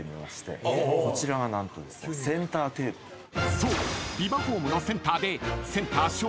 ［そう］